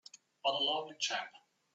But a lovely chap!